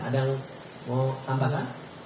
ada yang mau tambahkan